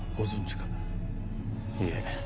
いえ。